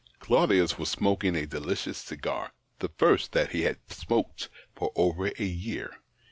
Claudius was smoking a delicious cigar, the first that he had smoked for over a year.